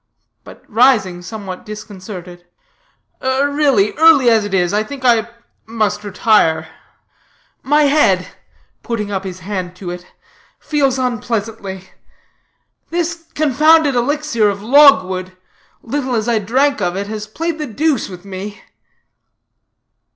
But rising somewhat disconcerted "really, early as it is, I think I must retire; my head," putting up his hand to it, "feels unpleasantly; this confounded elixir of logwood, little as I drank of it, has played the deuce with me."